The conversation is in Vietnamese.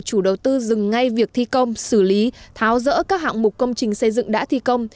chủ đầu tư dừng ngay việc thi công xử lý tháo rỡ các hạng mục công trình xây dựng đã thi công